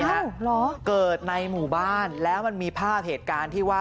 เหรอเกิดในหมู่บ้านแล้วมันมีภาพเหตุการณ์ที่ว่า